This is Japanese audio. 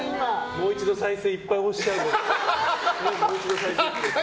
もう一度再生いっぱい押しちゃう。